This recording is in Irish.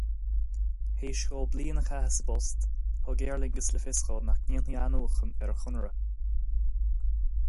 Tar éis dó bliain a chaitheamh sa bpost, thug Aer Lingus le fios dó nach ndéanfaí athnuachan ar a chonradh.